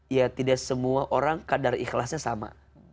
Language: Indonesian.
ya tidak semua orang kadar ikhlasnya sama